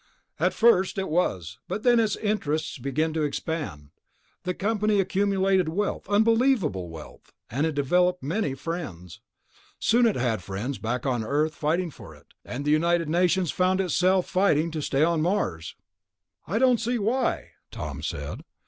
"At first it was, but then its interests began to expand. The company accumulated wealth, unbelievable wealth, and it developed many friends. Very soon it had friends back on Earth fighting for it, and the United Nations found itself fighting to stay on Mars." "I don't see why," Tom said.